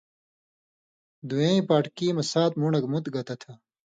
دُوییں پاٹکی مہ سات مُون٘ڈہۡ مُت گتہ تھہ